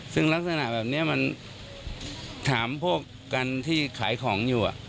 ซึ่งลักษณะแบบนี้มันถามพวกกันที่ขายของอยู่